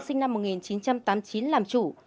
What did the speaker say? sinh năm một nghìn chín trăm tám mươi chín làm chủ